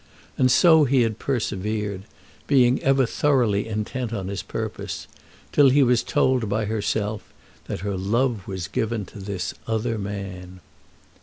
And so he had persevered, being ever thoroughly intent on his purpose, till he was told by herself that her love was given to this other man.